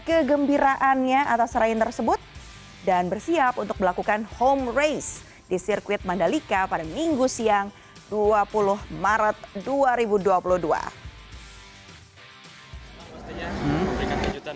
kegembiraannya atas rain tersebut dan bersiap untuk melakukan home race di sirkuit mandalika pada minggu siang dua puluh maret dua ribu dua puluh dua